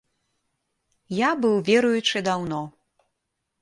Я быў веруючы даўно.